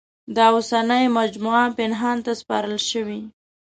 دا اوسنۍ مجموعه پنهان ته سپارل شوې.